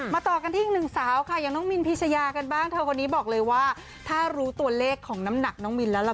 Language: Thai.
มาต่อกันที่อีก๑สาวค่ะถ้ารู้ตัวเลขของน้ำหนักน้องมิล